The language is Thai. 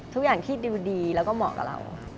ทุกอย่างที่ดิวดีแล้วก็เหมาะกับเรา